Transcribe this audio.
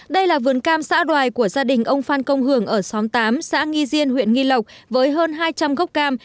đây là vườn cam xã đoài của gia đình ông phan công hường ở xóm tám xã nghi diên huyện nghi lộc với hơn hai trăm linh gốc cam